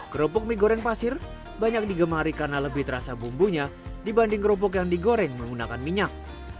kerupuk mie goreng pasir banyak digemari karena lebih terasa bumbunya dibanding kerupuk yang digoreng menggunakan minyak